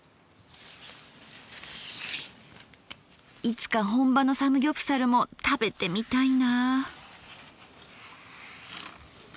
いつか本場のサムギョプサルも食べてみたいなぁ。